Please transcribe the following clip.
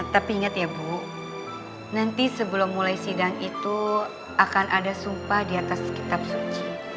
tapi ingat ya bu nanti sebelum mulai sidang itu akan ada sumpah di atas kitab suci